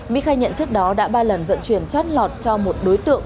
mỹ khai nhận trước đó đã ba lần vận chuyển chót lọt cho một đối tượng